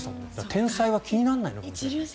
天才は気にならないのかもしれない。